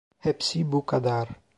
Hepsi bu kadar.